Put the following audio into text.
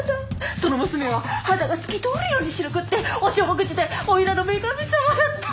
その娘は肌が透き通るように白くっておちょぼ口でおいらの女神様だった！